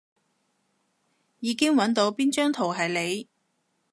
已經搵到邊張圖係你